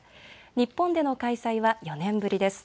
日本での開催は４年ぶりです。